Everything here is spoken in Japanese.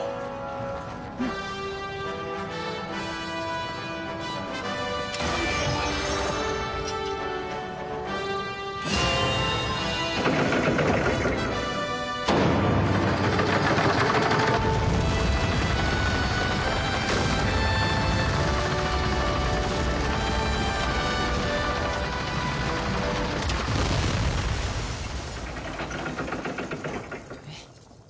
うん！えっ？